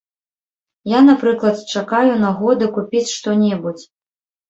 Я, напрыклад, чакаю нагоды купіць што-небудзь.